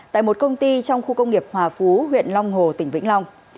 tại một công ty trong khu công nghiệp hòa phú huyện long hồ tỉnh vĩnh long